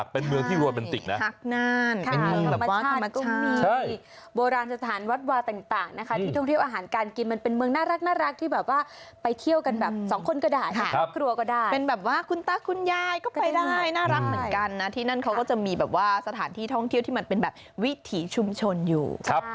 ไปได้น่ารักเหมือนกันนะที่นั่นเขาก็จะมีแบบว่าสถานที่ท่องเที่ยวที่มันเป็นแบบวิถีชุมชนอยู่